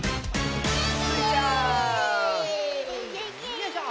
よいしょ！